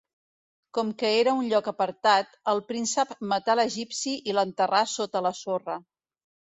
Com que era un lloc apartat, el príncep matà l'egipci i l'enterrà sota la sorra.